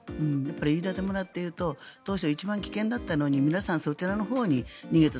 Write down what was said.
飯舘村というと当初、一番危険だったのに皆さんそちらのほうに逃げた。